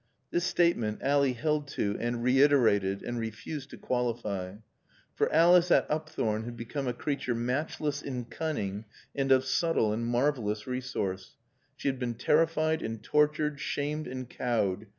This statement Ally held to and reiterated and refused to qualify. For Alice at Upthorne had become a creature matchless in cunning and of subtle and marvelous resource. She had been terrified and tortured, shamed and cowed.